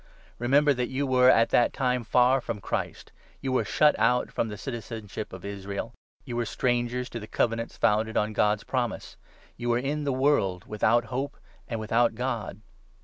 Remember that you were 12 at that time far from Christ ; you were shut out from the citizenship of Israel ; you were strangers to the Covenants founded on God's Promise ; you were in the world without hope and without God.